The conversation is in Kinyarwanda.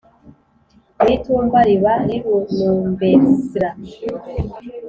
mu itumba riba rirunumbersra